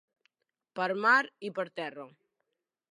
Per mar i per terra.